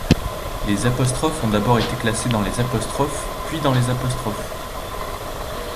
Les ' ont d'abord été classées dans les ', puis dans les '.